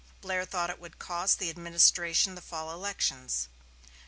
Blair thought it would cost the administration the fall elections.